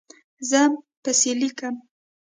زه پیسې لیکم